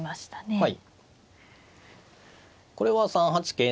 はい。